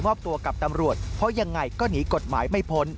ตัวกับตำรวจเพราะยังไงก็หนีกฎหมายไม่พ้น